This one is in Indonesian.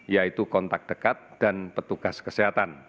yaitu kontak dekat dan petugas kesehatan